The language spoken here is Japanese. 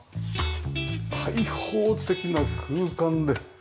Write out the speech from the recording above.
開放的な空間で。